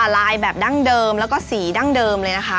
ลายแบบดั้งเดิมแล้วก็สีดั้งเดิมเลยนะคะ